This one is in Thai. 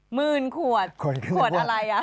หมื่นขวดขวดอะไรอ่ะ